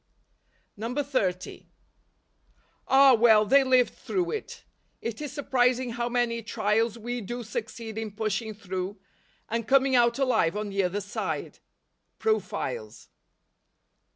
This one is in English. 30. Ah, well, they lived through it. It is surprising how many trials we do succeed in pushing through, and coming out alive on the other side ! Profiles.